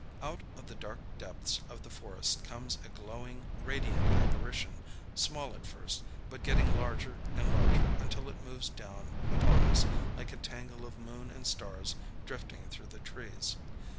Out of the dark depths of the forest comes a glowing, radiant apparition, small at first, but getting larger and larger until it moves down upon us like a tangle of moon and stars drifting through the trees.